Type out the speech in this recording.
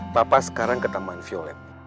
papa sekarang ke taman violet